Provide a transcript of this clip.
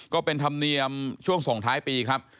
ก็เป็นธรรมเนียมช่วงส่งท้ายปีครับ